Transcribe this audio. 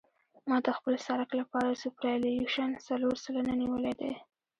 ما د خپل سرک لپاره سوپرایلیویشن څلور سلنه نیولی دی